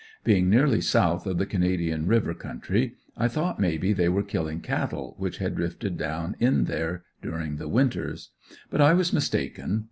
Being nearly south of the Canadian River country, I thought maybe they were killing cattle which had drifted down in there during the winters. But I was mistaken.